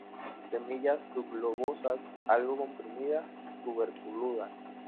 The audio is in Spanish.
Semillas subglobosas, algo comprimidas, tuberculadas.